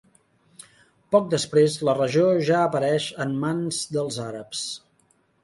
Poc després la regió ja apareix en mans dels àrabs.